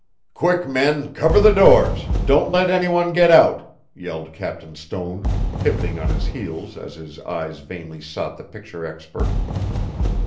"Quick, men, cover the doors don't let any one get out," yelled Captain Stone, pivoting on his heel as his eyes vainly sought the picture expert.